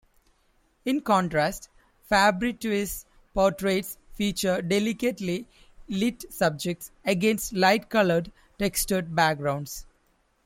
In contrast, Fabritius' portraits feature delicately lit subjects against light-coloured, textured backgrounds.